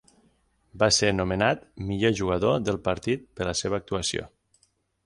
Va ser nomenat Millor jugador del partit per la seva actuació.